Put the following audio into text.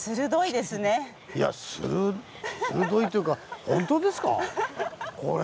いやするどいというか本当ですか⁉これ？